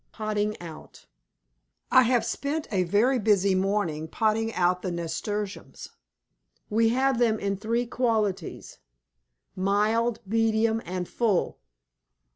POTTING OUT I have spent a very busy morning potting out the nasturtiums. We have them in three qualities, mild, medium, and full.